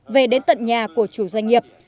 về đến tận nhà của chủ doanh nghiệp